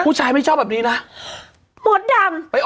ผู้ชายไม่ชอบแบบนี่ล่ะ